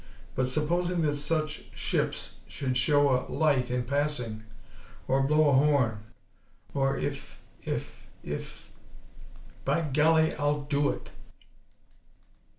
But supposing that such ships should show a light in passing; or blow a horn; or, if if if By Golly! I'll do it!"